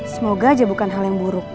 semoga aja bukan hal yang buruk